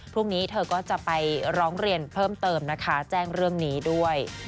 พรุ่งนี้เธอก็จะไปร้องเรียนเพิ่มเติมนะคะแจ้งเรื่องนี้ด้วย